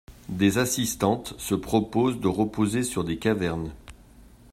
Des assistantes se proposent de reposer sur des cavernes!